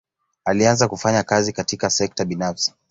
Alianza kufanya kazi katika sekta binafsi.